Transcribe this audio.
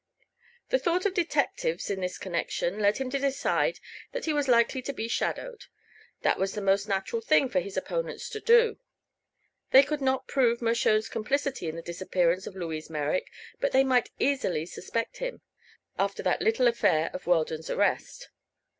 The thought of detectives, in this connection, led him to decide that he was likely to be shadowed. That was the most natural thing for his opponents to do. They could not prove Mershone's complicity in the disappearance of Louise Merrick, but they might easily suspect him, after that little affair of Weldon's arrest.